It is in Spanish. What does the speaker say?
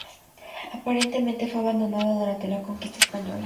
Aparentemente fue abandonada durante la conquista española.